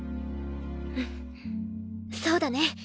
うんそうだね。